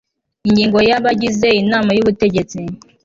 Ingingo ya Abagize Inama y Ubutegetsi